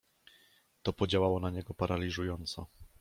To podziałało na niego paraliżująco.